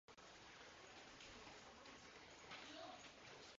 Under the Caliphate, the term referred to any constituent near-sovereign state.